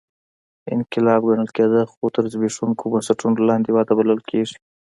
انقلاب ګڼل کېده خو تر زبېښونکو بنسټونو لاندې وده بلل کېږي